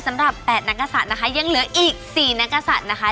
สำหรับ๘นักศัตริย์นะคะยังเหลืออีก๔นักศัตริย์นะคะ